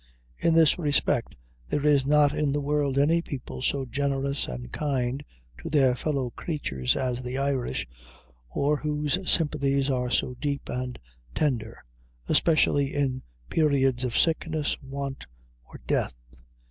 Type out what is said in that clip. In this respect there is not in the world any people so generous and kind to their fellow creatures as the Irish, or whose sympathies are so deep and tender, especially in periods of sickness, want, or death.